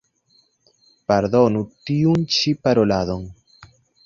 Pardonu tiun ĉi paroladon.